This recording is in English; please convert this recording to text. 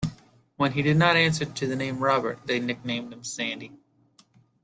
When he did not answer to the name Robert, they nicknamed him Sandy.